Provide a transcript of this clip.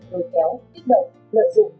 ngồi kéo kích động lợi dụng